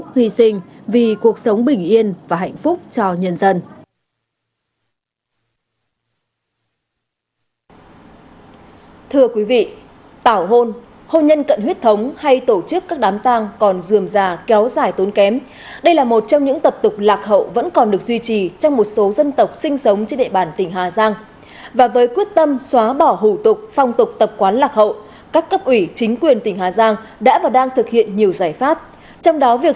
hy sinh vì cuộc sống bình yên và hạnh phúc cho nhân dân